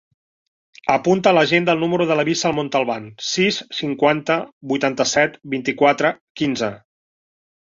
Apunta a l'agenda el número de la Wissal Montalban: sis, cinquanta, vuitanta-set, vint-i-quatre, quinze.